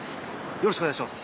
よろしくお願いします。